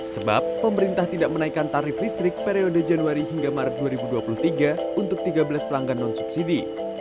sebab pemerintah tidak menaikkan tarif listrik periode januari hingga maret dua ribu dua puluh tiga untuk tiga belas pelanggan non subsidi